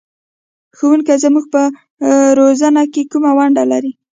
ښوونکی زموږ په روزنه کې کومه ونډه لري؟